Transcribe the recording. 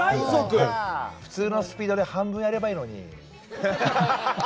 普通のスピードで半分やればいいのに。